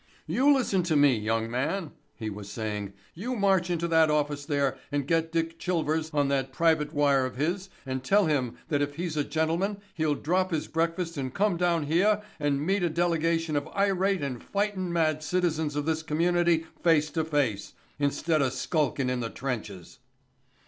"You listen to me, young man," he was saying. "You march into that office there and get Dick Chilvers on that private wire of his and tell him that if he's a gentleman he'll drop his breakfast and come down heah and meet a delegation of irate and fightin' mad citizens of this community face to face, instead skulkin' in the trenches."